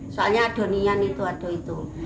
soalnya ada nihan itu ada itu